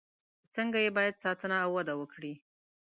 څنګه یې باید ساتنه او وده وکړي.